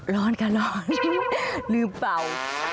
ร้อนค่ะร้อนลืมเป่า